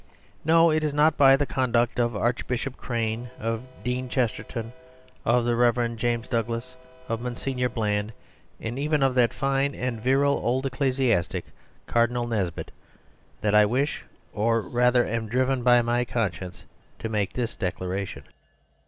No; it is not by the conduct of Archbishop Crane, of Dean Chesterton, of the Rev. James Douglas, of Monsignor Bland, and even of that fine and virile old ecclesiastic, Cardinal Nesbit, that I wish (or rather, am driven by my conscience) to make this declaration.